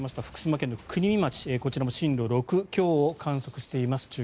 福島県の国見町こちらも震度６強を観測しています。